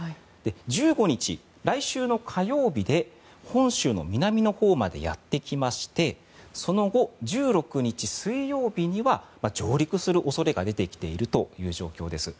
１５日、来週火曜日で本州の南のほうまでやってきましてその後、１６日水曜日には上陸する恐れが出てきている状況です。